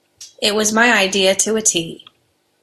It was my idea to a tee.